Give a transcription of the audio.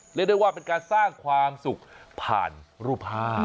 เรียกได้ว่าเป็นการสร้างความสุขผ่านรูปภาพ